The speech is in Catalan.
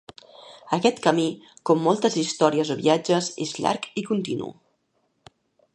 Aquest camí, com moltes històries o viatges, és llarg i continu.